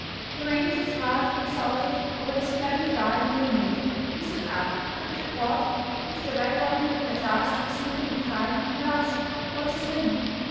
The ranger's heart exulted over the splendid bargain he had made. He stood up, took the cord which the vagabond had at last succeeded in tying, and asked " What's his name?